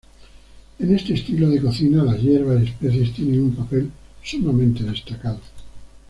En este estilo de cocina, las hierbas y especies tienen un papel sumamente destacado.